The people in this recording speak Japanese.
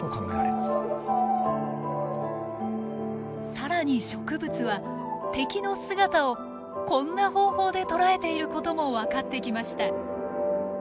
更に植物は敵の姿をこんな方法で捉えていることも分かってきました。